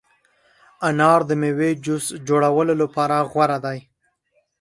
انار د مېوې جوس جوړولو لپاره غوره دی.